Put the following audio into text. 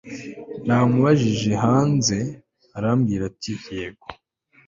Namubajije hanze arambwira ati yego